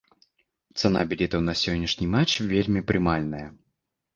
Цана білетаў на сённяшні матч вельмі прымальная.